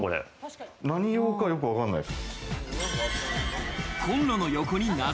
何用かよくわかんないです。